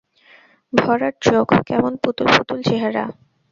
ভরাট চোখ, কেমন পুতুল পুতুল চেহারা।